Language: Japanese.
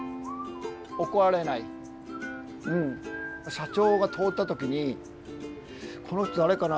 社長が通った時に「この人誰かな？」。